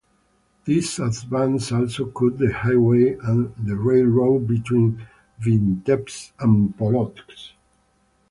This advance also cut the highway and the railroad between Vitebsk and Polotsk.